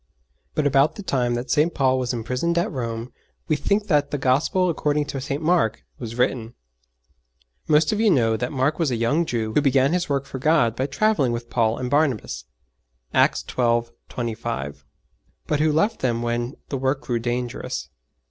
But about the time that St. Paul was imprisoned at Rome we think that the Gospel according to St. Mark was written. Most of you know that Mark was a young Jew who began his work for God by travelling with Paul and Barnabas (Acts xii. 25), but who left them when the work grew dangerous.